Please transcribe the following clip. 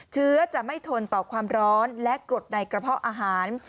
เชื้อจะไม่ทนต่อความร้อนและกรดในกระเพาะอาหาร